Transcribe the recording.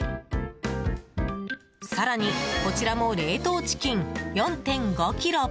更に、こちらも冷凍チキン４．５ｋｇ。